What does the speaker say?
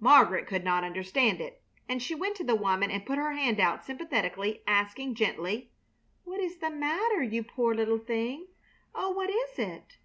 Margaret could not understand it, and she went to the woman and put her hand out sympathetically, asking, gently: "What is the matter, you poor little thing? Oh, what is it?"